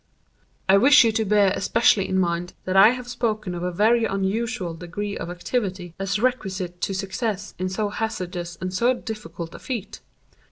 "I wish you to bear especially in mind that I have spoken of a very unusual degree of activity as requisite to success in so hazardous and so difficult a feat.